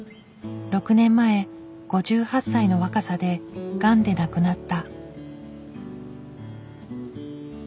６年前５８歳の若さでがんで亡くなった。